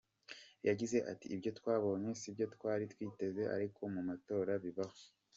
Yagize ati “Ibyo twabonye sibyo twari twiteze ariko mu matora bibaho.